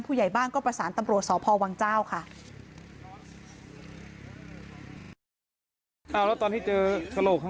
ผู้ใหญ่บ้านก็ประสานตำรวจสพวังเจ้าค่ะ